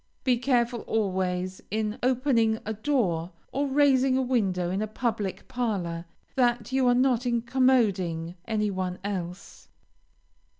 Be careful always in opening a door or raising a window in a public parlor, that you are not incommoding any one else.